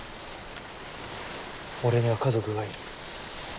俺には家族がいる。